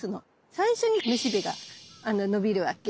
最初にめしべが伸びるわけ。